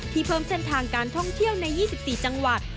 เพิ่มเส้นทางการท่องเที่ยวใน๒๔จังหวัด